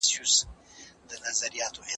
د غوايی په غاړه ولي زنګوله وي